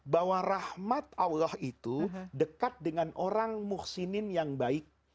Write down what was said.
bahwa rahmat allah itu dekat dengan orang muhsinin yang baik